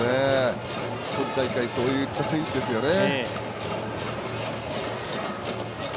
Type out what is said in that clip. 今大会そういった選手ですよね。